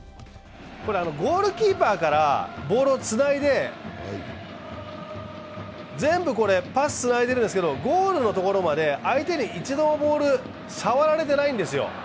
ゴールキーパーからボールをつないで、全部パスつないでるんですけど、ゴールのところまで相手に一度もボール触られてないんですよ。